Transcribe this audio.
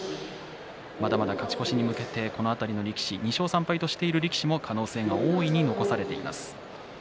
まだまだ勝ち越しに向けてこの辺りの力士２勝３敗としている力士も可能性が大いに残されています。